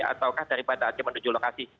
ataukah daripada aceh menuju lokasi